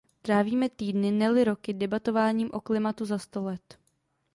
Trávíme týdny, ne-li roky, debatováním o klimatu za sto let.